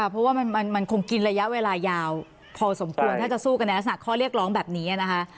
เพราะว่ามันคงกินระยะเวลายาวพอสมควรถ้าจะสู้กันในลักษณะข้อเรียกร้องแบบนี้นะคะ